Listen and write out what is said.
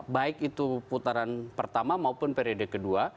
baik itu putaran pertama maupun periode kedua